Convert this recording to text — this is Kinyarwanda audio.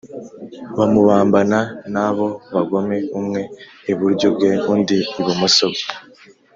Bamubambana n’abo bagome umwe iburyo bwe undi ibimoso bwe